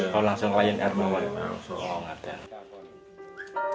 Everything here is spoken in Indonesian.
kalau langsung lion air mau langsung